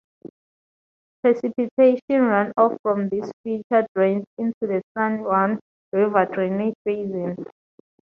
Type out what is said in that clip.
Precipitation runoff from this feature drains into the San Juan River drainage basin.